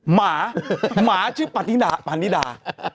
หมาหมาชื่อปานิดา